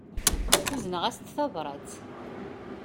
Uzneɣ-asent tabrat.